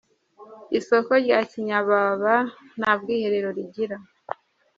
Isoko rya Kinyababa nta bwiherero rigira.